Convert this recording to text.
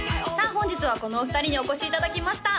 本日はこのお二人にお越しいただきました